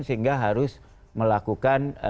sehingga harus melakukan